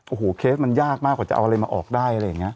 โอ้โหเคสมันยากมากว่าจะเอาอะไรมาอกได้